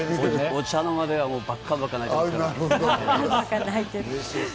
お茶の間では、ばかばっか泣いてます。